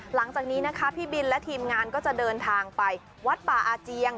หลังจากนี้นะคะพี่บินและทีมงานก็จะเดินทางไปวัดป่าอาเจียง